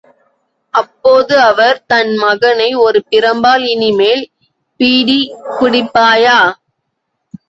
அப்போது அவர், தன் மகனை ஒரு பிரம்பால் இனி மேல் பீடி குடிப்பாயா?